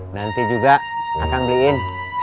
nanti juga akan beliin